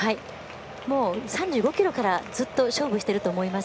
もう、３５ｋｍからずっと勝負していると思います。